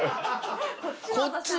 こっちの。